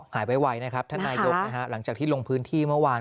ไวนะครับท่านนายกหลังจากที่ลงพื้นที่เมื่อวาน